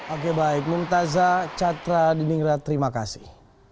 oke baik muntazza chattradiningrat terima kasih